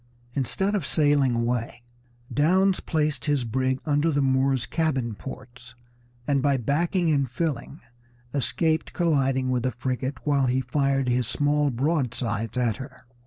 Instead of sailing away Downes placed his brig under the Moor's cabin ports, and by backing and filling escaped colliding with the frigate while he fired his small broadsides at her.